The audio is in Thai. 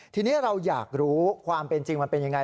ทีนี้เราอยากรู้ความเป็นจริงมันเป็นยังไง